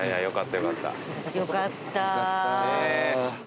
よかったー。